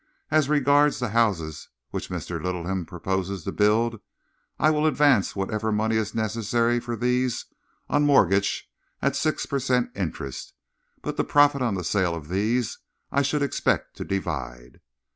As regards the houses which Mr. Littleham proposes to build, I will advance whatever money is necessary for these, on mortgage, at six per cent interest, but the profit on the sale of these I should expect to divide."